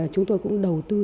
chúng tôi cũng đầu tư